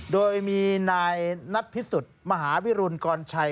โดยมีนายนัทพิสุทธิ์มหาวิรุณกรชัย